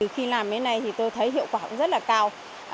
khi làm cái này thì tôi thấy hiệu quả cũng rất là cao